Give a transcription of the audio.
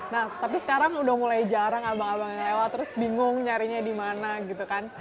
nah tapi sekarang udah mulai jarang abang abang yang lewat terus bingung nyarinya di mana gitu kan